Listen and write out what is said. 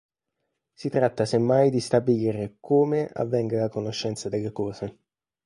Si tratta semmai di stabilire "come" avvenga la conoscenza delle cose.